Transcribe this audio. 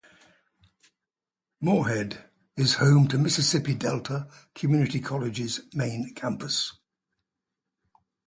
Moorhead is home to Mississippi Delta Community College's main campus.